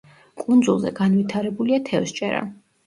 კუნძულზე განვითარებულია თევზჭერა.